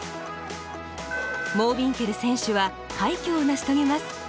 モービンケル選手は快挙を成し遂げます。